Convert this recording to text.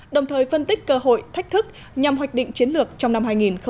đồng thời phân tích cơ hội thách thức nhằm hoạch định chiến lược trong năm hai nghìn hai mươi